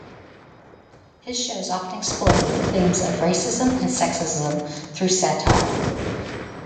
His shows often explored the themes of racism and sexism through satire.